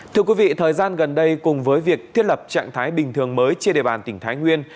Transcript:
thưa quý vị thời gian gần đây cùng với việc thiết lập trạng thái bình thường mới trên địa bàn tỉnh thái nguyên